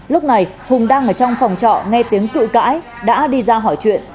lúc này hùng đang ở trong phòng trọ nghe tiếng cự cãi đã đi ra hỏi chuyện